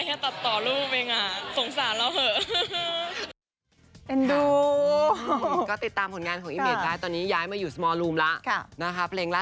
ไม่ได้เนาะเราทำได้แค่ตัดต่อรูปเองอ่ะ